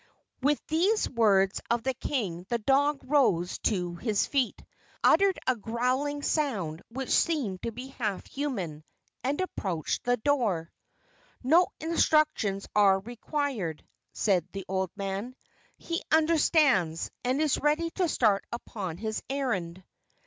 With these words of the king the dog rose to his feet, uttered a growling sound which seemed to be half human, and approached the door. "No instructions are required," said the old man; "he understands, and is ready to start upon his errand."